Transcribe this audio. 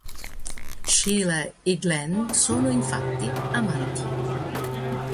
Sheila e Glenn sono infatti amanti.